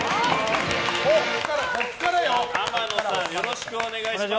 天野さん、よろしくお願いします。